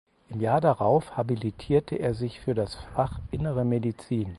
Im Jahr darauf habilitierte er sich für das Fach Innere Medizin.